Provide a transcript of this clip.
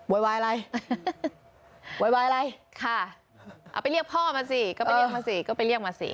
วายอะไรโวยวายอะไรค่ะเอาไปเรียกพ่อมาสิก็ไปเรียกมาสิก็ไปเรียกมาสิ